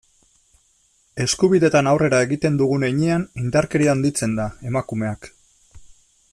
Eskubideetan aurrera egiten dugun heinean, indarkeria handitzen da, emakumeak.